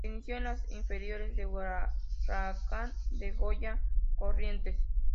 Se inició en las inferiores de Huracán de Goya, Corrientes.